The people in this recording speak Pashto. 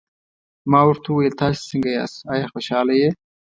ما ورته وویل: تاسي څنګه یاست، آیا خوشحاله یې؟